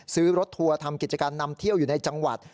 ซื้อรถทัวร์ทำกิจกรรมนำเที่ยวอยู่ในจังหวัด